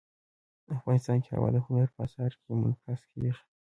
افغانستان کې هوا د هنر په اثار کې منعکس کېږي.